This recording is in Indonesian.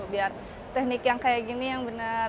biar teknik yang kayak gini yang benar